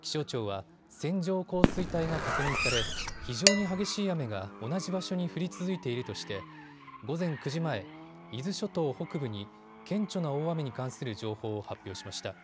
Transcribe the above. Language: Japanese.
気象庁は線状降水帯が確認され非常に激しい雨が同じ場所に降り続いているとして午前９時前、伊豆諸島北部に顕著な大雨に関する情報を発表しました。